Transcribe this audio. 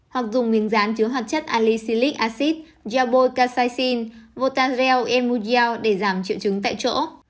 hoặc dùng miếng rán chứa hoạt chất alicylic acid jabocasicin votazrel emudial để giảm chịu trứng tại chỗ